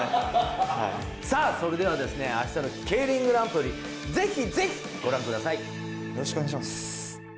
それでは明日のＫＥＩＲＩＮグランプリ、ぜひぜひご覧ください！